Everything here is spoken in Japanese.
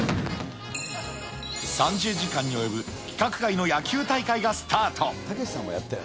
３０時間に及ぶ規格外の野球大会がスタート。